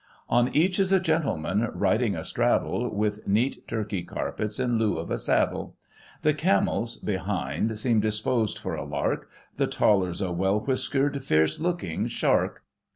On each is a gentleman riding astraddle. With neat Turkey carpets in lieu of a saddle ; The camels, behind, seem disposed for a lark, The taller's a well whisker'd, fierce looking shark.